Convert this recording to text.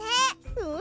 うん！